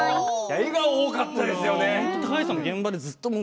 笑顔が多かったですよね。